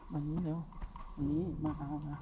มานี่เร็วมานี่มาเอานะ